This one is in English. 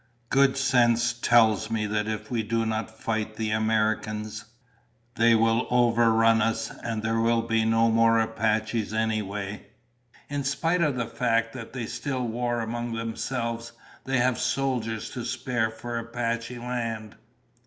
Good sense tells me that if we do not fight the Americans, they will overrun us and there will be no more Apaches anyway. In spite of the fact that they still war among themselves, they have soldiers to spare for Apache land.